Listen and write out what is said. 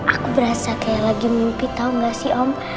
aku berasa kayak lagi mimpi tahu gak sih om